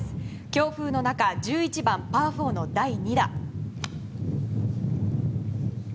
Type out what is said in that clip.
強風の中１１番、パー４の第２打。